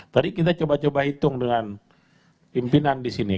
tadi kita coba coba hitung dengan pimpinan di sini